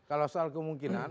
kalau soal kemungkinan